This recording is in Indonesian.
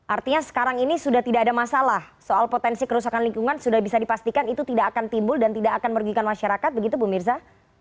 artinya sekarang ini sudah tidak ada masalah soal potensi kerusakan lingkungan sudah bisa dipastikan itu tidak akan timbul dan tidak akan merugikan masyarakat begitu bu mirza